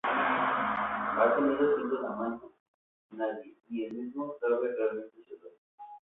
Ha tenido cientos de amantes, nadie, ni el mismo sabe realmente su edad.